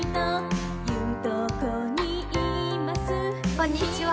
こんにちは。